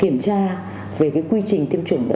kiểm tra về quy trình tiêm chủng